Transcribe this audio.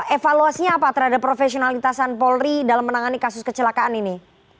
evaluasinya apa terhadap profesionalitasan polri dalam menangani kasus kecelakaan ini